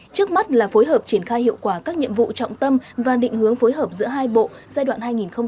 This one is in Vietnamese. trước mắt là phối hợp triển khai hiệu quả các nhiệm vụ trọng tâm và định hướng phối hợp giữa hai bộ giai đoạn hai nghìn hai mươi hai nghìn hai mươi năm